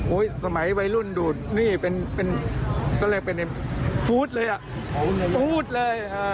โอ้ยสมัยไว้รุ่นดูดนี่เป็นเป็นก็เรียกเป็นเลยอ่ะเลยอ่ะ